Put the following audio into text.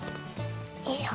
よいしょ！